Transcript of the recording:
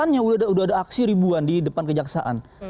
dua puluh delapan nya udah ada aksi ribuan di depan kejaksaan